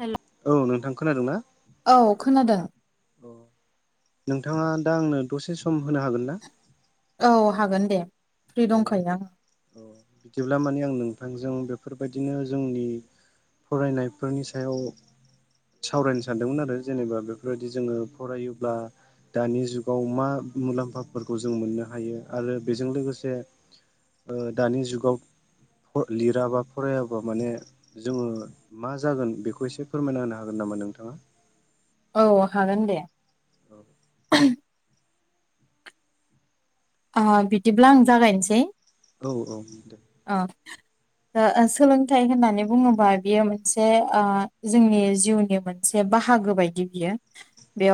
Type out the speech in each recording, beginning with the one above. हेल' औ नोंथां खोनादों ना? औ खोनादों अ नोंथाङा दा आंनो दसे सम होनो हागोन ना? औ हागोन दे फ्रि औ दंखायो आं औ बिदिब्ला माने आं नोंथांजों बेफोरबायदिनो जोंनि फरायनायफोरनि सायाव सावरायनो सानदोंमोन आरो जेनेबा बेफोर बायदि जोङो फरायोब्ला दानि जुगाव मा मुलाम्फाफोरखौ जों मोननो हायो आरो बेजों लोगोसे जे दानि जुगाव लिराबा फरायाबा माने जोङो मा जागोन बेखौ एसे फोरमायना होनो हागोन नामा नोंथांङा औ हागोन दे औ बिदिब्ला आं जागायनोसै। औ औ दे अह। सोलोंथाइ होननानै बुङोबा बियो मोनसे जोंनि जिउनि मोन एसे बाहागो बायदि बियो।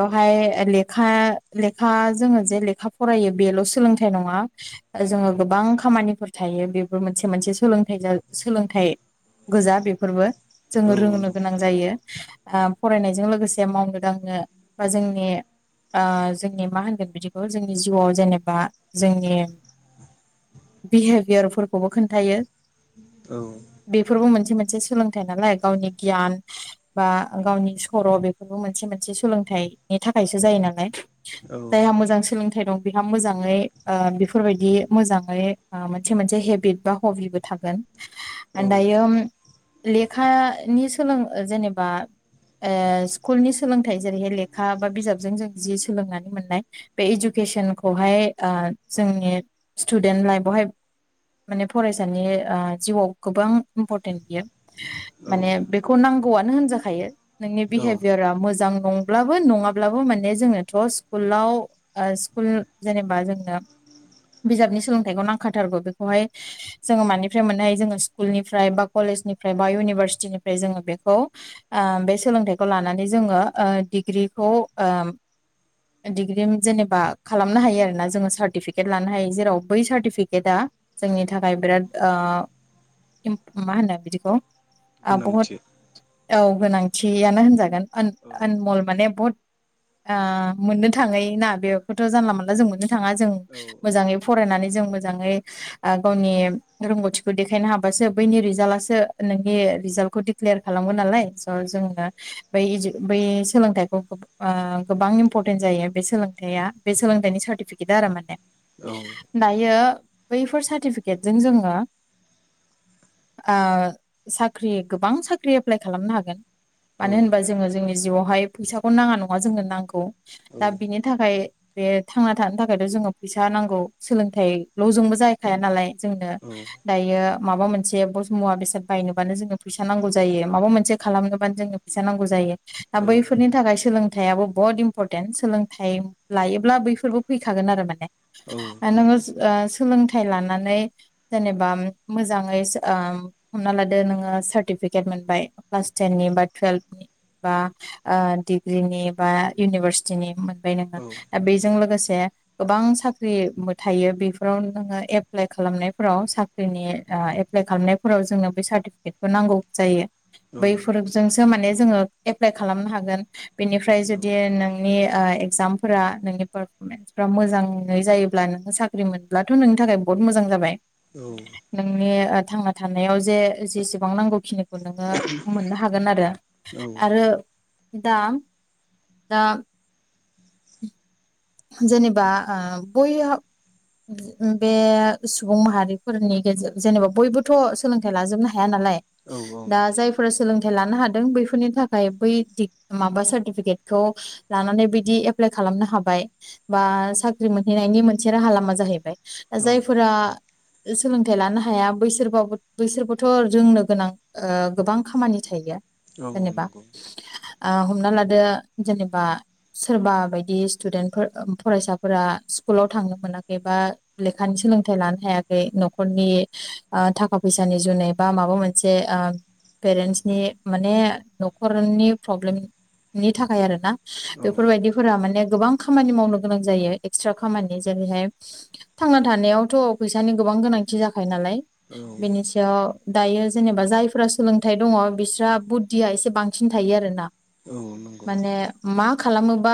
औ लेखा लेखा जोङो जे लेखा फरायो बेल सो सोलोंथाइ नङा जोङो औ गोबां खामानिफोर थायो बेबो मोनसे मोनसे सोलों सोलोंथाइ गोजा बेफोरबो जोङो औ रोंनो नंगौ गोनां जायो ओ फरायनायजों लोगोसे मा होनगोन गांनो बा जोंनि जोंनि मा होनगोन बिदिखौ जोंनि जिउआव जेनेबा जोंनि बिहेभियार फोरखौबो खोन्थायो औ बेफोरबो मोनसे मोनसे सोलोंथाइ नालाय गावनि गियान बा गावनि सर बेफोरबो मोनसे मोनसे सोलोंथाइनि थाखायसो जायो नालाय। औ जायहा मोजां सोलोंथाइ दं बेहा मोजाङै बेफोर बायदि मोजाङै मोनसे मोनसे हेबिट बा हबिबो थागोन। औ दायो लेखानि सोलों जेनेबा स्कुलनि सोलोंथाइ जेरैहाय लेखा बा बिजाबजों जों जि सोलोंनानै मोननाय बे इझुकेसनखौहाय जोंनि स्टुडेन्ट लाइफआवहाय माने फरायसानि जिउआव गोबां इम्परटेन्ट बियो। औ माने बेखौ नांगौआनो होनजाखायो। नोंनि औ बिहेभियारा मोजां नंब्लाबो नङाब्लाबो माने जोङोथ' स्कुलाव स्कुल जेनेबा जोंनो बिजाबनि सोलोंथाइखौ नांखाथारगौ बेखौहाय जोङो मानिफ्राय मोननो हायो जोङो स्कुलनिफ्राय बा कलेजनिफ्राय बा इउनिभारसिटिनिफ्राय जोङो बेखौ बे सोलोंथाइखौ लानानै जोङो डिग्रिखौ डिग्रि जेनेबा खालामनो हायो आरोना जोङो। सारटिफिकेट लानो हायो जेराव बै सार्टिफिकेटआ जोंनि थाखाय बेराद मा होनो बिदिखौ बहुद गोनांथि औ गोनांथियानो होनजागोन। अन औ आनमल माने बुहुत मोननो थाङै ना बेखौथ जानला मानला जों मोननो थाङा जों औ मोजाङै फरायनानै जों मोजाङै गावनि रोंगौथिखौ देखायनो हाबासो बैनि रिजाल्टसो नोंनि रिजाल्टखौ दि क्लियार खालामगोन नालाय स' जो दा बै इजु बै सोलोंथाइखौ ओ गोबां इम्परटेन्ट जायो बे सोलोंथाइया बे सोलोंथाइनि सार्टिफिकेट इदारो माने औ दायो बैफोर सार्टिफिकेटजों जोङो ओ साख्रि गोबां साख्रि एप्लाइ खालामनो हागोन। मानो होनबा जोङो जोंनि जिउआवहाय फैसाखौनो नाङा नङा जोंनो नांगौ औ दा बिनि थाखाय बे थांनात थानो थाखायथ' जोनो फैसा नांगौ सोलोंथाइल' जोंबो जाहैखाया नालाय जोंनो दायो माबा मोनसे बस मुवा बेसाद बायनोबानो जोंनो फैसा नांगौ जायो माबा मोनसे खालामनोबानो जोनो फैसा नांगौ जायो। दा औ बैफोरनि थाखाय सोलोंथाइयाबो बहत इम्परटेन्ट सोलोंथाइ लायोब्ला बैफोरबो फैखागोन आरो माने औ नोङो नंगौ स ओ सोलोंथाइ लानानै जेनेबा मोजाङैस ओम हमना लादो नोङो सार्टिफिकेट मोनबाय क्लास टेननि बा टुयेल्भ नि बा डिग्रिनि बा इउनिभारसिटिनि मोनबाय नोङो औ दा बेजों लोगोसे [inaudible] गोबां साख्रिबो थायो बेफोराव नोङो एप्लाइ खालामनायफोराव साख्रिनि ओह एप्लाइ खालामनाय फोराव जोंनो बे सार्टिफिकेटखौ नांगौ जायो। औ बैफोरजोंसो माने जोङो एप्लाइ खालामनो हागोन। बेनिफ्राय औ जुदि नोंनि एकजामफोरा नोंनि पार टेन्सफ्रा मोजाङै जायोब्ला नोङो साख्रि मोनब्लाथ' नोंनि थाखाय बहुत मोजां जाबाय। औ नोंनि थांना थानायाव जे जेसेबां नांगौखिनिखौ नोङो मोननो हागोन आरो आरो दा दा [inaudible] जेनेबा ओह बयहा बे सुबुं माहारिफोरनि गेजे जेनेबा बयबोथ' सोलोंथाइ लाजोबनो हाया नालाय औ दा नंगौ जायफोरा सोलोंथाइ लानो हादों बैफोरनि थाखाय बै दि माबा सार्टिफिकेटखौ लानानै बिदि एप्लाय खालामनो हाबाय। बा साख्रि मोनहैनायनि मोनसे राहा लामा जाहैबाय। दा औ जायफोरा सोलोंथाइ लानो हाया। बैसोरबाबो बैसोरबोथ' रोंनो गोनां। ओह गोबां खामानि थायो औ नंगौ औ नंगौ औ जेनेबा। नंगौ हमना लादो जेनेबा सोरबा बायदि स्टुदेन्टफोर फरायसाफोरा स्कुलाव थांनो मोनाखैबा लेखानि सोलोंथाइ लानो हायाखै न'खरनि ओ थाखा फैसानि जुनै बा माबा मोनसे ओ पेरेन्टसनि माने न'खरनि प्रब्लेम नि थाखाय आरो ना औ बेफोरबायदिफोरा माने गोबां खामानि मावनो गोनां जायो एक्सट्रा खामानि जेरैहाय थांना थानायावथ' फैसानि गोबां गोनांथि जाखायो नालाय औ बेनि सायाव दायो जेनेबा जायफोरा सोलोंथाइ दङ बिस्रा बुद्धिया एसे बां साबसिन थायो आरोना माने मा खालामोबा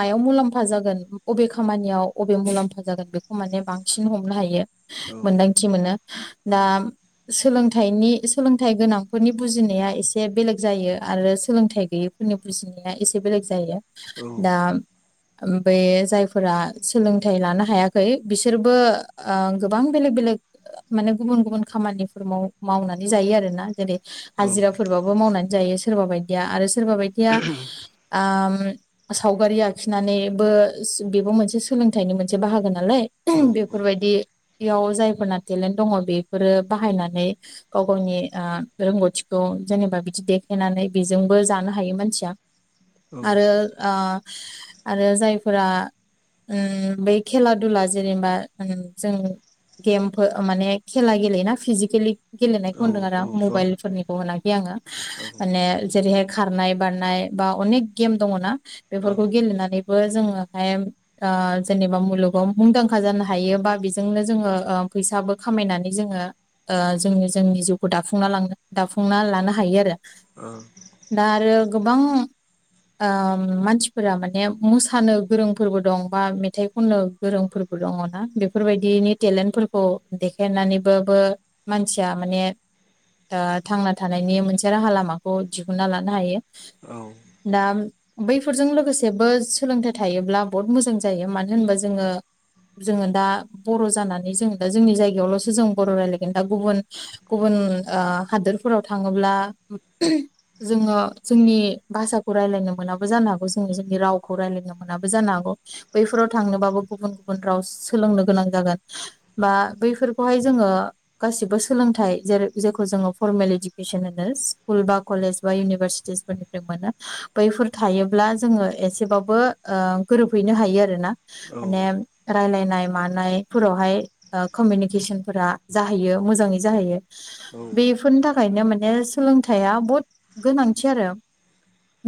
मायाव मुलाम् खहा जागोन बबे खामानियाव बबे मुलाम्फा जागोन बेखौ माने बांसिन हमनो हायो। मोन्दांथि मोनो। दा सोलोंथाइनि सोलोंथाइ गोनांफोरनि बुजिनाया एसे बेलेग जायो आरो सोलोंथाइ गैयै फोरनि बुजिनाया एसे बेलेग जायो। दा ओम बे जायफोरा सोलोंथाइ लानो हायाखै बिसोरबो ओ गोबां बेलेग बेलेग माने गुबुन गुबुन खामानिफोर माव-मावनानै जायो आरो ना जेरै हाजिराफोरबाबो मावनानै जायो सोरबा बायदिया आरो सोरबा बायदिया आम सावगारि आ खिनानैबो बेबो मोनसे सोलोंथाइनि मोनसे बाहागो नालाय बेफोरबायदि बेयाव जायफोरना टेलेन्ट दङ बेफोरो बाहायनानै गाव गावनि रोंगौथिखौ जेनेबा बिदि देखायनानै बेजोंबो जानो हायो मानसिया आरो ओ आरो जायफोरा उम बै खेला दुला जेनेबा उम जों गेमफोर माने खेला गेलेयोना फिजिकेलि गेलेनायखौ होनदों आरो आं मबाइल फोरनिखौ होनाखै आङो माने जेरैहाय खारनाय बारनाय बा अनेक गेम दङ ना बेफोरखौ गेलेनानैबो जोङोहाय ओ जेनेबा मुलुगाव मुंदांखा जानो हायो बा बेजोंनो जोङो फैसाबो खामायनानै जोङो ओ जोङो जोंनि जिउखौ दाफुंना ला दाफुंना लानो हायो आरो ओ दा आरो गोबां ओ मानसिफोरा माने मोसानो गोरोंफोरबो दं बा मेथाइ खननो गोरोंफोरबो दङ ना बेफोरबायदिनि टेलेन्टफोर खौ देखायनानैबोबो मानसिया माने ओ थांना थानायनि मोनसे राहा लामाखौ दिहुनन्ना लानो हायो। दा बैफोरजों लोगोसेबो सोलोंथाइ थायोब्ला बुहुद मोजां जायो मानो होनोबा जोङो जोङो दा बर' जानानै जोङो दा जोंनि जायगायावल'सो जों बर' रायलायगोन दा गुबुन गुबुन ओ हादोरफोराव थाङोब्ला जोङो जोंनि भाषाखौ रायलायनो मोनाबो जानो हागौ जोङो जोंनि राव खौ रायजलायनो मोनाबो जानो हागौ बैफोराव थांनोबाबो गुबुन गुबुन राव सोलोंनो गोनां जागोन बा बैफोरखौहाय जोङो गासिबो सोलोंथाइ जेरै जेखौ जोङो फरमेल इडुकेसन होनो स्कुल बा कलेज बा इउनिभारसिटिसफोरनि मोनो बैफोर थायोब्ला जोङो एसेबाबो ओ गोरोबहैनो हायो आरोना। माने रायलायनाय मानायफोरावहाय। ओ कमिउनिकेसनफोरा जाहैयो मोजाङै जाहैयो। बेफोरनि थाखायनो माने सोलोंथाइया बहुत गोनांथि आरो।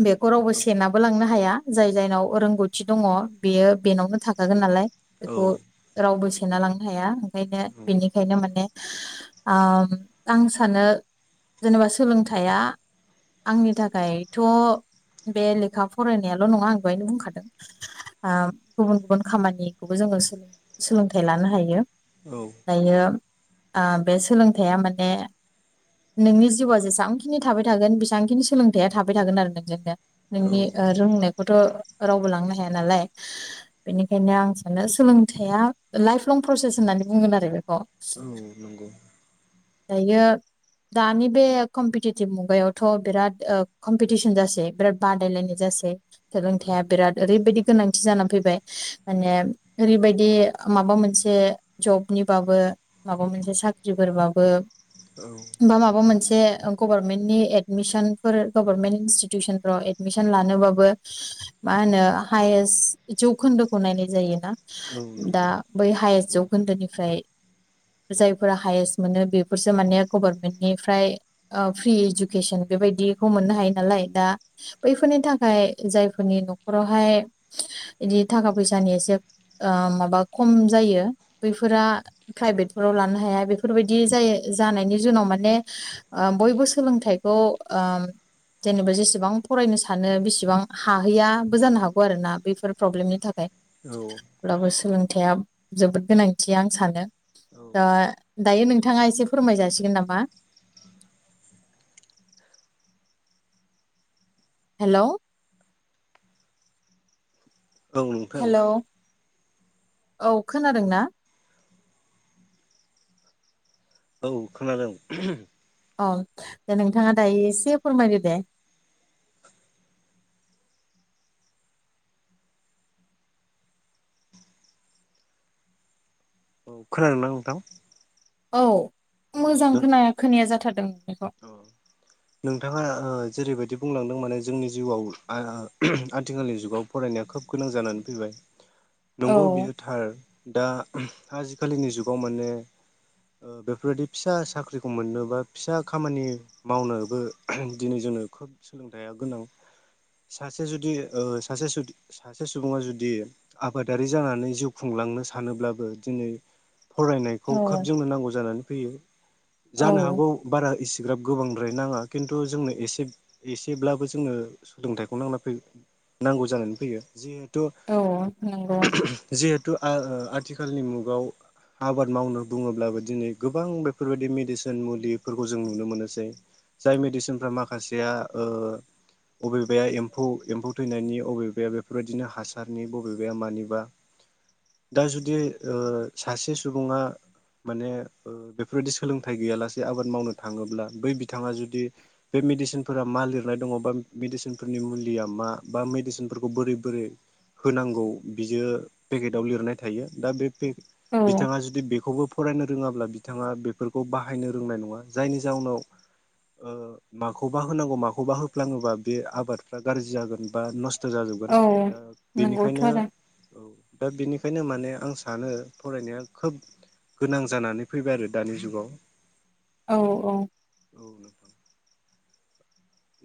बेखौ रावबो सेनाबो लांनो हाया जाय जायनाव रोंगौथि दङ बेयो बेनावनो थाखागोन नालाय बेखौ रावबो सोन लांनो हाया ओंखायनो बेनिखायनो माने आ आं सानो जेनेबा सोलोंथाइया आंनि थाखायथ' बे लेखा फरायनायाल' नङा आं बेवहायनो बुंखादों। ओ गुबुन गुबुन खामानिखौबो जोङो सोलोंथाइ लानो हायो। दायो आ बे सोलोंथाइया माने। नोंनि जिउआ जेसेबांखिनि थाबाय थागोन बेसेबांखिनि सोलोंथाइया थाबाय थागोन आरो नोंजोंनो। नोंनि ओ रोंनायखौथ' रावबो लांनो हाया नालाय। बेनिखायनो आं सानो सोलोंथाइया लाइफ लं प्रसेस होननानै बुंगोन आरो बेखौ। औ नंगौ। दायो। दानि बे कमपिटिटिभ मुगायावथ' बिराद कमपिटिसन जासै बिराद बादायलायनाय जासै। औ सोलोंथाइया बिराद ओरैबायाददि गोनांथि जानानै फैबाय माने ओरैबायदि माबा मोनसे जबनिबाबो। माबा मोनसे साख्रिफोरबाबो औ। बा माबा मोनसे गभारनमेन्टनि एदमिसन फोर गभारनमेन्ट इनस्टिटिउसनफ्राव एद मिसन लानोबाबो मा होनो हायेस्ट जौखोन्दोखौ नायनाय जायोना औ दा नंगौ बै हाया जौखोन्दोनिफ्राय। जायफोरा हायेस्ट मोनो बेफोरसो माने गभारमेन्टनिफ्राय। ओ फ्रि इडुकेसन बेबायदिखौ मोननो हायो नालाय दा बैफोरनि थाखाय। जायफोरनि न'खरावहाय बिदि थाखा फैसानि एसे। ओ माबा खम जायो बैफोरा। प्राइभेटफोराव लानो हाया बेफोरबायदि जायो जानायनि जाउनाव माने। ओ बयबो सोलोंथाइखौ ओ जेनेबा जेसेबां फरायनो सानो बेसेबां। हाहैयाबो जानो हागौ आरो ना बेफोर प्रब्लेमनि थाखाय। औ अब्लाबो सोलोंथाइया जोबोद गोनांथि आं सानो। औ द दायो नोंथाङा एसे फोरमाय जासिगोन नामा। हेलौ। औ नोंथां हेलौ औ खोनादों ना। औ खोनादों। औ दे नोंथाङा दायो एसे फोरमायदो दे। औ खोनादों ना नोंथां। औ अ मोजां नों खोनाया खोनाया जाथारदों अ नोंथाङा ओ जेरैबायदि बुंलांदों माने जोंनि जिउआव आ आथिखालनि जुगाव। फरायनाया खोब गोनां जानानै फैबाय नंगौ बियो थार दा आजिखालिनि जुगाव माने बेफोरबायदि फिसा साख्रिखौ मोननो बा फिसा खामानि मावनो बो दिनै जोंनो खोब सोलोंथाइया गोनां। सासे जुदि ओ सासे जुद सासे सुबुङा जुदि आबादारि जानानै जिउ खुंलांनो सानोब्लाबो दिनै फरायनायखौ खोब औ-औ-औ जोंनो नांगौ जानानै फैयो जानो हागौ बारा इसिग्राब गोबांद्राय नाङा खिन्थु जोंनो एसे एसेब्लाबो जोंनो सोलोंथाइखौ नांना फैयो। नांगौ जानानै फैयो जिहेथु नंगौ जिहेथु थु ओ आथिखालनि मुगायाव आबाद मावनो बुङोब्लाबो दिनै गोबां बेफोरबायदि मेडिसिन मुलिफोरखौ जों नुनो मोनोसै। जाय मेडिसिनफ्रा माखासेया ओ बबेबाया एम्फौ एम्फौ थैनायनि बबेबाया बेफोरबायदिनो हासारनि बबेबाया मानिबा दा जुदि ओ सासे सुबुङा माने बेफोरबायदि सोलोंथाइ गैयालासे आबाद मावनो थाङोब्ला बै बिथाङा जुदि बे मेडिसिनफोरा मा लिरनाय दङ बा मेडिसिनफोरनि मुलिया मा बा मेडिसिनफोरखौ बोरै बोरै होनांगौ बियो पेकेटआव लिरनाय थायो दा बे औ बि-बिथाङा जुदि बेखौबो फरायनो रोङाब्ला बिथाङा बेफोरखौ बाहायनो रोंनाय नङा जायनि जाउनाव ओ माखौबा होनांगौ माखौबा होफ्लाङोबा बे आबादफ्रा गाज्रि जागोन बा नष्ट होजा जोबगोन औ दा नंगौथ' बेनिखायनो आरो औ दा बेनिखायनो माने आं सानो फरायनाया खोब गोनां जानानै फैबाय आरो दानि जुगाव। औ औ। औ नोंथां।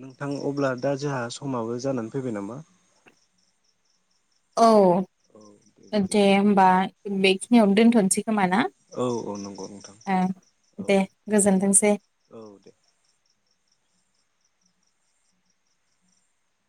नोंथां अब्ला दा जोंहा समाबो जानानै फैबाय नामा? औ औ दे बिदिब्ला होनबा बे खिनियावनो दोनथ'नोसै खोमा ना? औ औ नंगौ नोंथां ओ औ दे दे गोजोनथोंसै बिदिबा औ दे।